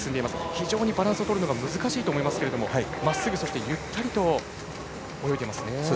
非常にバランスをとるのが難しいと思いますけれどもまっすぐ、ゆったりと泳いでいますね。